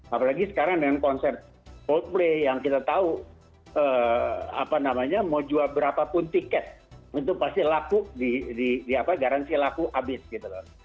apalagi sekarang dengan konser coldplay yang kita tahu apa namanya mau jual berapapun tiket itu pasti laku di garansi laku abis gitu loh